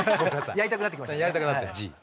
やりたくなったＧ。